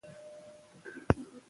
د ګټې ټکر باید افشا شي.